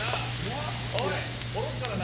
おい、降ろすからな！